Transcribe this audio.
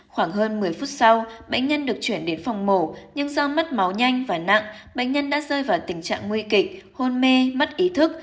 khoảng hơn một mươi phút sau bệnh nhân được chuyển đến phòng mổ nhưng do mất máu nhanh và nặng bệnh nhân đã rơi vào tình trạng nguy kịch hôn mê mất ý thức